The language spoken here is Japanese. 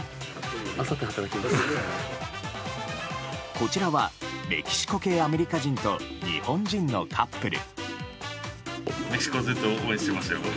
こちらはメキシコ系アメリカ人と日本人のカップル。